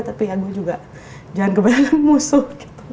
tapi ya gue juga jangan kebanyakan musuh gitu